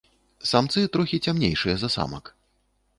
Самцы трохі цямнейшыя за самак.